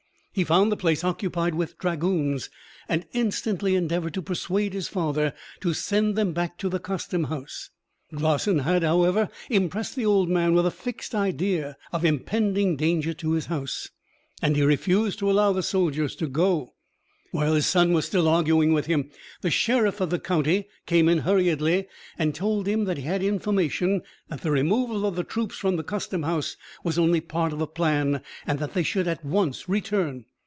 He found the place occupied with dragoons, and instantly endeavoured to persuade his father to send them back to the custom house. Glossin had, however, impressed the old man with a fixed idea of the impending danger to his house, and he refused to allow the soldiers to go. While his son was still arguing with him, the sheriff of the country came in hurriedly, and told him that he had had information that the removal of the troops from the custom house was only part of a plan, and that they should at once return.